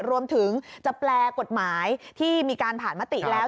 รวมถึงจะแปลกฎหมายที่มีการผ่านมติแล้ว